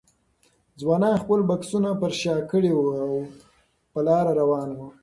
ځوانانو خپل بکسونه پر شا کړي وو او په لاره روان وو.